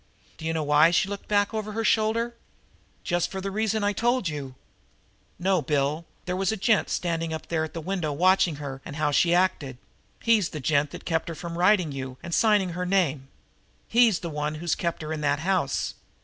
"D'you know why she looked back over her shoulder?" "Just for the reason I told you." "No, Bill. There was a gent standing up there at a window watching her and how she acted. He's the gent that kept her from writing to you and signing her name. He's the one who's kept her in that house.